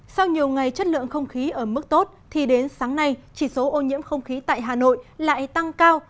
sau nhiều ngày chất lượng không khí ở mức tốt thì đến sáng nay chỉ số ô nhiễm không khí tại hà nội lại tăng cao